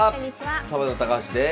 サバンナ高橋です。